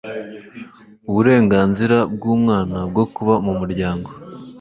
uburenganzira bw umwana bwo kuba mu muryango